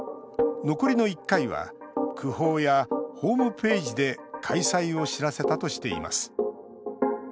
残りの１回は区報やホームページで開催を知らせたとしています。